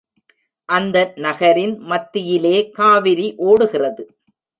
அந்த நகரின் மத்தியிலே காவிரி ஓடுகிறது.